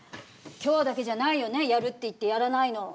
きょうだけじゃないよねやるって言ってやらないの。